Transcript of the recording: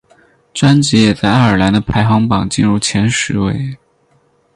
专辑也在爱尔兰的排行榜进入前十位。